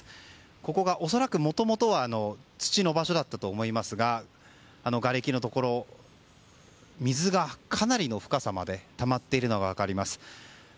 ここが恐らくもともとは土の場所だったと思いますががれきのところ水がかなりの深さまでたまっているのが分かります。